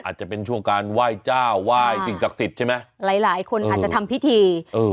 อาจจะเป็นช่วงการไหว้เจ้าไหว้สิ่งศักดิ์สิทธิ์ใช่ไหมหลายหลายคนอาจจะทำพิธีเออ